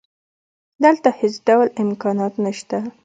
دلته هېڅ ډول امکانات نشته